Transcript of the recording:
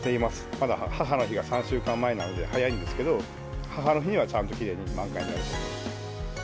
まだ母の日が３週間前なので、早いんですけど、母の日にはちゃんときれいに満開になると思います。